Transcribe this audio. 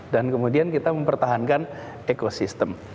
dan kemudian kita mempertahankan ekosistem